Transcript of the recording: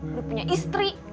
udah punya istri